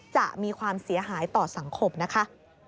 จะมีความเสียหายต่อสังคมนะคะ